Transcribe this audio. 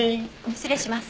失礼します。